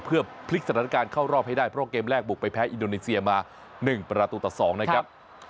เพื่อพลิกสถานการณ์เข้ารอบให้ได้เพราะเกมแรกบุกไปแพ้อินโดนีเซียมา๑ประตูต่อ๒นะครับ